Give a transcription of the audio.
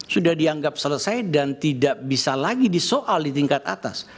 sudah dianggap selesai dan tidak bisa lagi disoal di tingkat atas